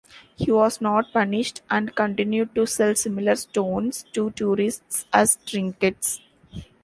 He was not punished, and continued to sell similar stones to tourists as trinkets.